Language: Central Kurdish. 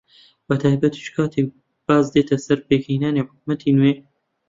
بەتایبەتیش کاتێک باس دێتە سەر پێکهێنانی حکوومەتی نوێ